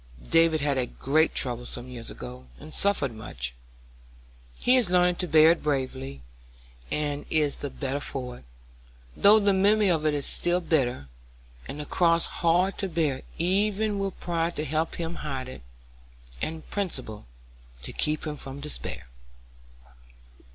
David had a great trouble some years ago and suffered much. He is learning to bear it bravely, and is the better for it, though the memory of it is still bitter, and the cross hard to bear even with pride to help him hide it, and principle to keep him from despair."